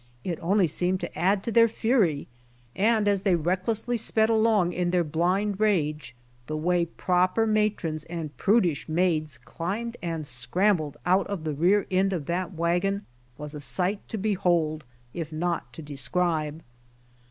It only seemed to add to their fury, and as they recklessly sped along in their blind rage, the way proper matrons and prudish maids climbed and scrambled out of the rear end of that wagon was a sight to behold if not to describe.